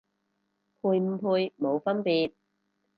賠唔賠冇分別